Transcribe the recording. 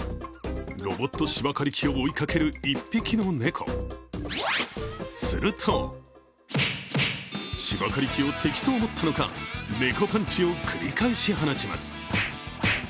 ロボット芝刈り機を追いかける１匹の猫、すると芝刈り機を敵と思ったのか、猫パンチを繰り返し放ちます。